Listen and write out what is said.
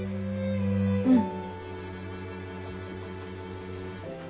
うん。